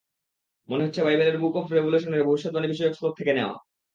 মনে হচ্ছে বাইবেলের বুক অফ রেভ্যুলেশনের ভবিষ্যৎবাণী বিষয়ক শ্লোক থেকে নেওয়া!